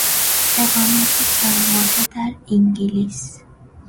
اقامت چند ماهه در انگلیس